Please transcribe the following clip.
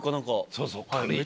そうそう。